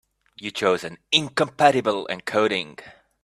You chose an incompatible encoding.